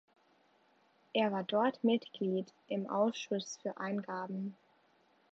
Er war dort Mitglied im Ausschuss für Eingaben.